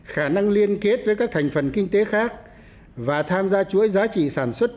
khả năng liên kết với các thành phần kinh tế khác và tham gia chuỗi giá trị sản xuất